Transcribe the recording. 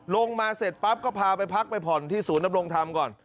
ลงมาเสร็จปั๊บก็พาไปพักไปผ่อนที่ศูนย์ดำรงธรรมก่อน